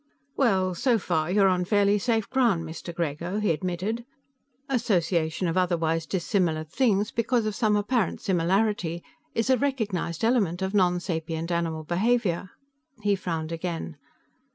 "Well, so far you're on fairly safe ground, Mr. Grego," he admitted. "Association of otherwise dissimilar things because of some apparent similarity is a recognized element of nonsapient animal behavior." He frowned again.